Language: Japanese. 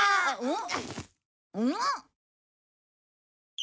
ん？